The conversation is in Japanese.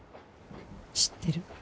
知ってる。